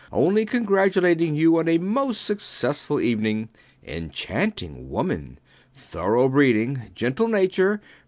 Only congratulating you on a most successful evening! Enchanting woman! Thorough breeding! Gentle nature!